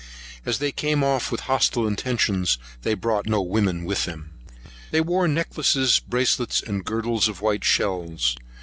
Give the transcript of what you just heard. As they came off with hostile intentions, they brought no women with them. They wore necklaces, bracelets, and girdles of white shells.